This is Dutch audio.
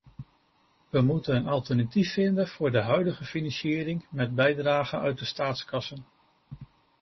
We moeten een alternatief vinden voor de huidige financiering met bijdragen uit de staatskassen.